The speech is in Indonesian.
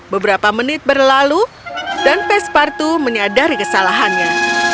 beberapa menit berlalu dan pespartu menyadari kesalahannya